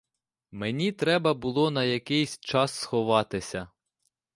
Мені треба було на якийсь час сховатися.